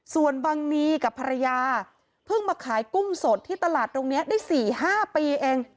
ส่วนบังนีกับภรรยาเพิ่งมาขายกุ้งสดที่ตลาดตรงนี้ได้๔๕ปีเอง